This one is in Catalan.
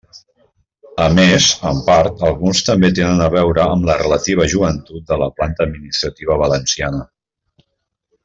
A més, en part, alguns també tenen a veure amb la relativa joventut de la planta administrativa valenciana.